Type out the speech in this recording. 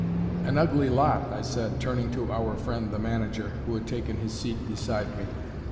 "An ugly lot," I said, turning to our friend the manager, who had taken his seat beside me.